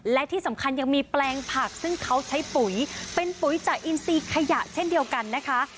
และที่สำคัญยังมีแปลงผักซึ่งเขาใช้ปุ๋ยเป็นปุ๋ยจากอินซีขยะเช่นเดียวกันนะคะ